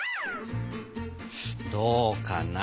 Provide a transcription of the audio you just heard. どうかな。